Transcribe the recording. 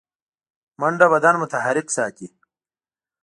منډه بدن متحرک ساتي